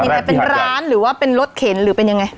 ยังไงเป็นร้านหรือว่าเป็นรถเข็นหรือเป็นยังไง